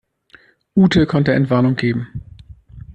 Ute konnte Entwarnung geben.